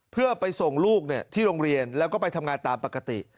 เพื่อไปส่งลูกที่โรงเรียนแล้วก็ไปทำงานตามปกติ